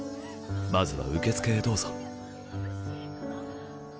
まずは受付へどうぞ。